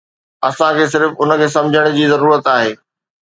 اسان کي صرف ان کي سمجهڻ جي ضرورت آهي